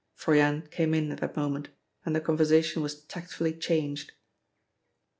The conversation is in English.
Froyant came in at that moment, and the conversation was tactfully changed. XX.